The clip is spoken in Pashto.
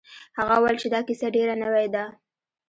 هغه وویل چې دا کیسه ډیره نوې ده.